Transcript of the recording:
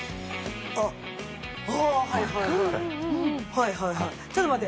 はいはいはいちょっと待って。